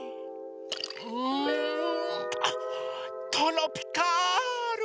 うんあっトロピカール！